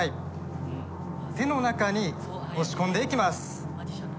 手の中に押し込んでいきます。